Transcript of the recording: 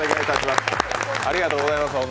ありがとうございます